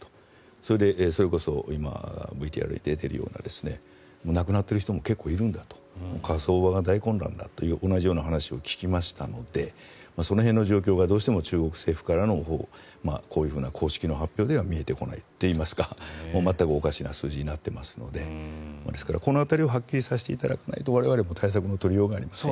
それで、それこそ今、ＶＴＲに出ているような亡くなっている人も結構いるんだと火葬場が大混乱だという同じような話を聞きましたのでその辺の状況がどうしても中国政府からのこういうふうな公式な発表では見えてこないといいますか全くおかしな数字になっていますのでですから、この辺りをはっきりさせていただかないと我々も対策の取りようがありません。